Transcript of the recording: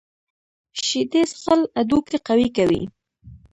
شیدې څښل هډوکي قوي کوي.